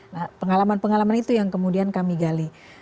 nah pengalaman pengalaman itu yang kemudian kami gali